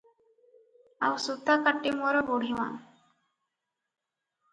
ଆଉ ସୁତା କାଟେ ମୋର ବୁଢ଼ୀ ମା ।